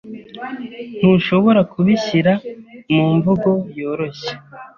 Ntushobora kubishyira mu mvugo yoroshye?